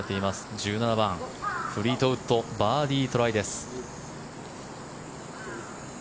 １７番、フリートウッドバーディートライです。